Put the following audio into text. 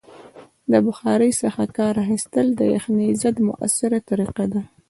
د بخارۍ څخه کار اخیستل د یخنۍ ضد مؤثره طریقه ده.